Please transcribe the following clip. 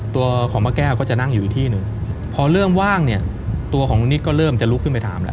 ตัวของป้าแก้วก็จะนั่งอยู่อีกที่หนึ่งพอเริ่มว่างเนี่ยตัวของลุงนิดก็เริ่มจะลุกขึ้นไปถามแล้ว